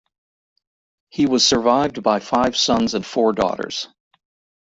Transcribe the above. He was survived by five sons and four daughters.